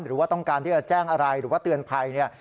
หรือว่าต้องการที่จะแจ้งอะไรหรือว่าเตือนภัยเนี่ย